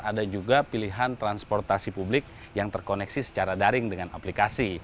ada juga pilihan transportasi publik yang terkoneksi secara daring dengan aplikasi